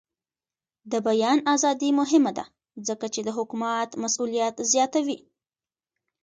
د بیان ازادي مهمه ده ځکه چې د حکومت مسؤلیت زیاتوي.